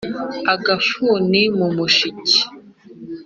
Agafuni mu mushike.